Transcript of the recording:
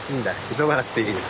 急がなくていいよ。